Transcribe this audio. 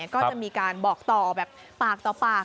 ก็จะมีการบอกต่อแบบปากต่อปาก